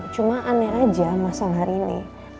cuma aneh aja mas al hari ini